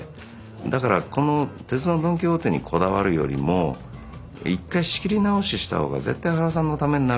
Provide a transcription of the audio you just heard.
だからこの「鉄のドンキホーテ」にこだわるよりも一回仕切り直しした方が絶対原さんのためになるなと思ってね。